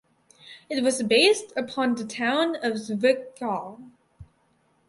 It was based upon the town of Zwickau.